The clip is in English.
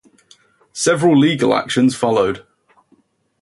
Several legal actions followed.